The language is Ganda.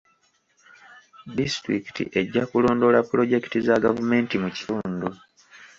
Disitulikiti ejja kulondoola pulojekiti za gavumenti mu kitundu.